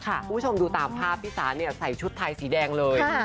คุณผู้ชมดูตามภาพพี่สาเนี่ยใส่ชุดไทยสีแดงเลย